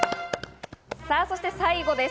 さぁ、そして最後です。